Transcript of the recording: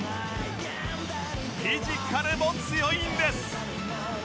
フィジカルも強いんです